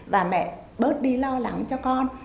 và mẹ bớt đi lo lắng cho con